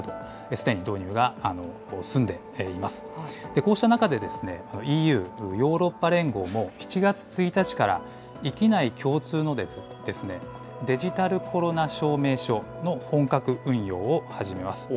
こうした中で、ＥＵ・ヨーロッパ連合も７月１日から域内共通の、デジタルコロナ証明書の本格運用を始めます。